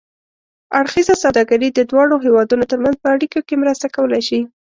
اړخیزه سوداګري د دواړو هېوادونو ترمنځ په اړیکو کې مرسته کولای شي.